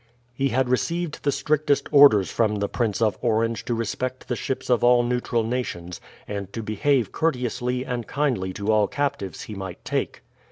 He had received the strictest orders from the Prince of Orange to respect the ships of all neutral nations, and to behave courteously and kindly to all captives he might take.